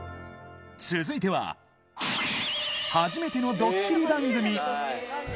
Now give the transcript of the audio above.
続いては、初めてのどっきり番組！